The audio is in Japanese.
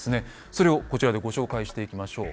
それをこちらでご紹介していきましょう。